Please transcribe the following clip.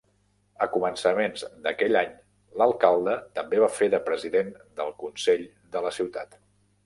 A començaments d'aquell any l'alcalde també va fer de president del consell de lla ciutat.